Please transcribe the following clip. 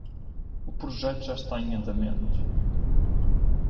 O projeto já está em andamento